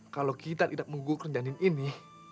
kalau kita tidak menggugur janin ini